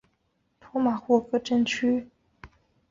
托马霍克镇区是位于美国阿肯色州瑟西县的一个行政镇区。